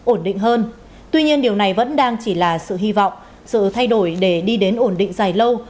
ổn định hơn tuy nhiên điều này vẫn đang chỉ là sự hy vọng sự thay đổi để đi đến ổn định dài lâu